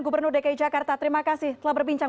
gubernur dki jakarta terima kasih telah berbincang